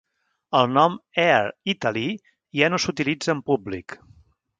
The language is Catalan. El nom "Air Italy" ja no s'utilitza en públic.